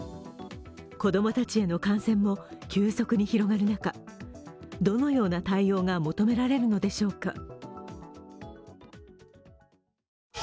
子供たちへの感染も急速に広がる中、どのような対応が求められるのでしょうか。